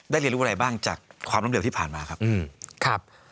เรียนรู้อะไรบ้างจากความล้มเหลวที่ผ่านมาครับ